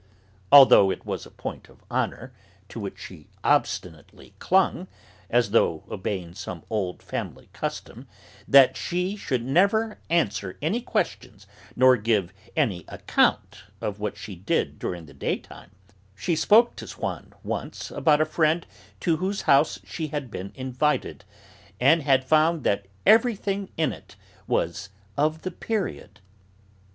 Although it was a point of honour, to which she obstinately clung, as though obeying some old family custom, that she should never answer any questions, never give any account of what she did during the daytime, she spoke to Swann once about a friend to whose house she had been invited, and had found that everything in it was 'of the period.'